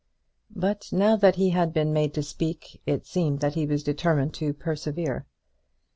But now that he had been made to speak, it seemed that he was determined to persevere.